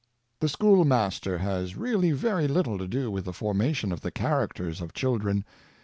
The school master has really very little to do with the formation of the characters of children.